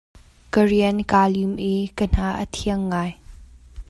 Ka rian kaa lim i ka hna a thiang ngai.